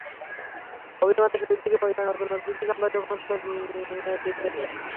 অভিমানে শুরুর দিকে পরিবারের নতুন অতিথি সম্পর্কে কোনো তথ্যই তিনি দেননি।